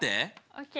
ＯＫ！